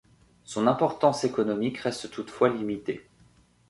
Son importance économique reste toutefois limitée.